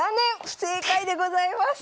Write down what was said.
不正解でございます！